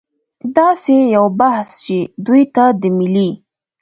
داسې یو بحث چې دوی ته د ملي